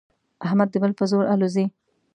احمد د بل په زور الوزي.